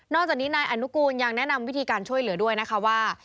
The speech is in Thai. จากนี้นายอนุกูลยังแนะนำวิธีการช่วยเหลือด้วยนะคะว่า